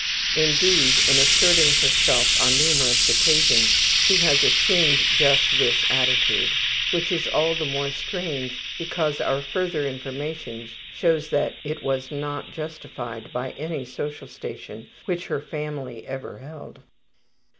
Indeed, in asserting herself on numerous occasions she has assumed just this attitude, which is all the more strange because our further information shows that it was not justified by any social station which her family ever held.